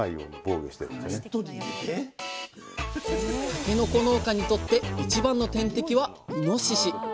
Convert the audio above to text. たけのこ農家にとって一番の天敵はイノシシ。